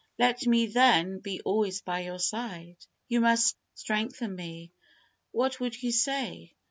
Let me, then, be always by your side. You must strengthen me." What would you say?